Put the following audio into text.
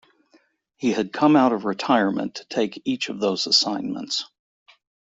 He had come out of retirement to take each of those assignments.